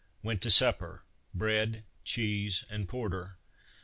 Went to supper: bread, cheese, and porter.